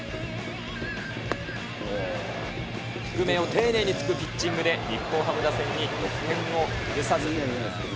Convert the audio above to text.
低めを丁寧につくピッチングで、日本ハム打線に得点を許さず。